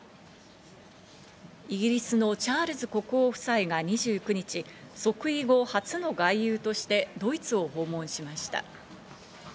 イギリスのチャールズ国王夫妻が２９日、即位後初の外遊として、ドイツを訪問しました。